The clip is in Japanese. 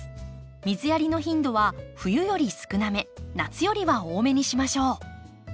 水やりの頻度は冬より少なめ夏よりは多めにしましょう。